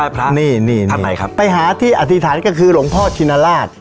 ไปหาที่อธิษฐานก็คือหลวงพ่อชิณราช